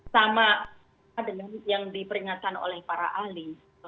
sama dengan yang diperingatkan oleh para ahli